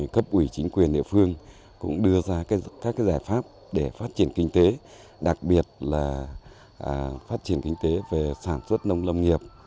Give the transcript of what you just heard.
cấp ủy chính quyền địa phương cũng đưa ra các giải pháp để phát triển kinh tế đặc biệt là phát triển kinh tế về sản xuất nông lâm nghiệp